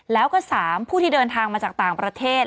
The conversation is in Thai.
แล้วก็๓ผู้ที่เดินทางมาจากต่างประเทศ